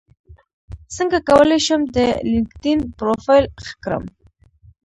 څنګه کولی شم د لینکیډن پروفایل ښه کړم